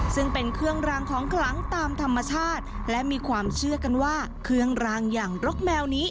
ซึ่งเป็นเครื่องรางของขลังตามธรรมชาติและมีความเชื่อกันว่าเครื่องรางอย่างรกแมวนี้